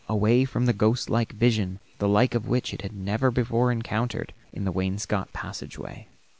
Away from the ghost like vision, the like of which it had never before encountered, in the wainscot passageway.